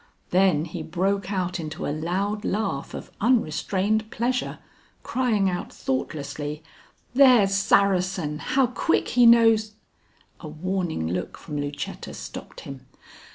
Then he broke out into a loud laugh of unrestrained pleasure, crying out thoughtlessly: "There's Saracen. How quick he knows " A warning look from Lucetta stopped him.